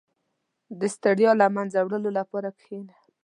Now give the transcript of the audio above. • د ستړیا له منځه وړلو لپاره کښېنه.